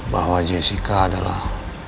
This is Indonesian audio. bahwa jessica adalah